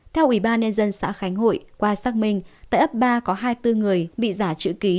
theo ubnd xã khánh hội qua xác minh tại ấp ba có hai mươi bốn người bị giả chữ ký